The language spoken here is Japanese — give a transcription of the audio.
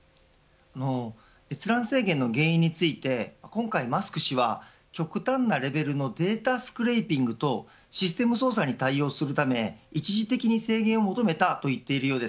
閲覧制限の原因について今回、マスク氏は極端なレベルのデータスクレイピングとシステム操作に対応するため一時的に制限を求めたとしています。